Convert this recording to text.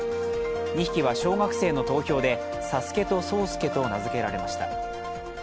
２匹は小学生の投票でさすけとそうすけと名付けられました。